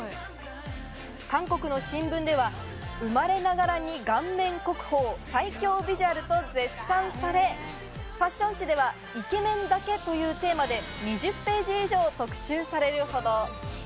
韓国の新聞では、生まれながらに顔面国宝、最強ビジュアルと絶賛され、ファッション誌では「イケメンだけ」というテーマで２０ページ以上特集されるほど。